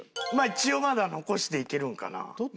一応まだ残していけるんかな。